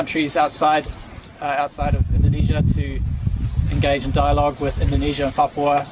untuk negara negara di luar indonesia untuk berdialog dengan indonesia dan papua